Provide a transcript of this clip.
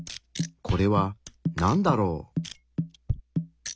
これはなんだろう？